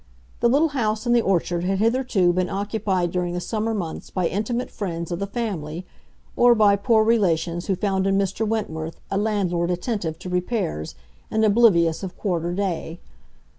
The little house in the orchard had hitherto been occupied during the summer months by intimate friends of the family, or by poor relations who found in Mr. Wentworth a landlord attentive to repairs and oblivious of quarter day.